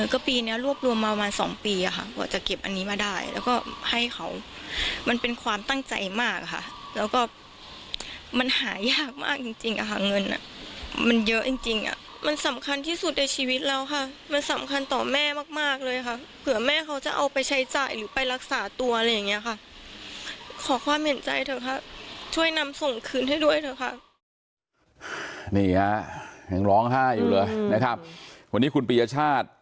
ก็ปีเนี้ยรวบรวมมาประมาณสองปีอ่ะค่ะกว่าจะเก็บอันนี้มาได้แล้วก็ให้เขามันเป็นความตั้งใจมากค่ะแล้วก็มันหายากมากจริงจริงอ่ะค่ะเงินอ่ะมันเยอะจริงจริงอ่ะมันสำคัญที่สุดในชีวิตแล้วค่ะมันสำคัญต่อแม่มากมากเลยค่ะเผื่อแม่เขาจะเอาไปใช้จ่ายหรือไปรักษาตัวอะไรอย่างเงี้ยค่ะขอความ